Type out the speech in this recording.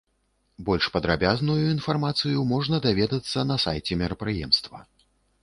Больш падрабязную інфармацыю можна даведацца на сайце мерапрыемства.